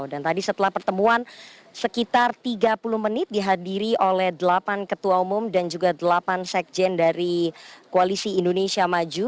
dan tadi setelah pertemuan sekitar tiga puluh menit dihadiri oleh delapan ketua umum dan juga delapan sekjen dari koalisi indonesia maju